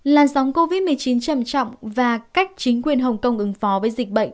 làn sóng covid một mươi chín trầm trọng và cách chính quyền hồng kông ứng phó với dịch bệnh